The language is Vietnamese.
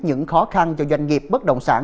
những khó khăn cho doanh nghiệp bất động sản